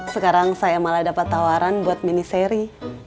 sekarang saya malah dapat tawaran buat miniseri